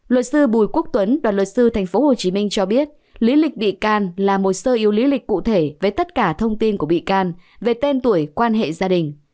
luật sư bùi quốc tuấn đoàn luật sư tp hcm cho biết lý lịch bị can là một sơ yêu lý lịch cụ thể với tất cả thông tin của bị can về tên tuổi quan hệ gia đình